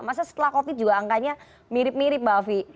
masa setelah covid juga angkanya mirip mirip mbak afi